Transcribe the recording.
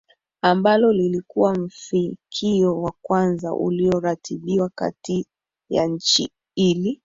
ambalo lilikuwa mfikio wa kwanza ulioratibiwa kati ya nchi ili